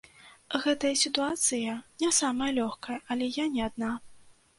Гэтая сітуацыя не самая лёгкая, але я не адна.